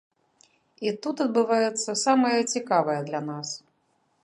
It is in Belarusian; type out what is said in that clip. І тут адбываецца самае цікавае для нас.